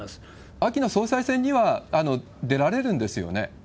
秋の総裁選には出られるんですよね？